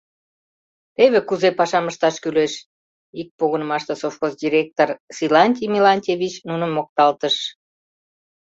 — Теве кузе пашам ышташ кӱлеш! — ик погынымашыште совхоз директор Силантий Мелантьевич нуным мокталтыш.